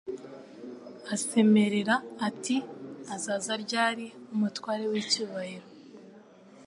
asemerera ati Azaza ryari umutware w'icyubahiro